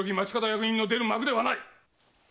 役人の出る幕ではない！